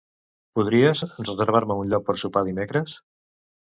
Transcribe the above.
Podries reservar-me un lloc per sopar dimecres?